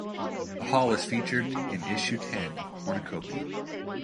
The Hall is featured in issue ten of "Cornucopia".